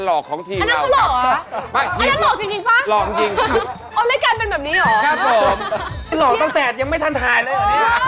หลอกตั้งแต่ยังไม่ทันทายเลย